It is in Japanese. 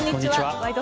「ワイド！